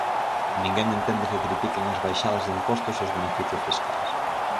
Ninguén entende que critiquen as baixadas de impostos e os beneficios fiscais.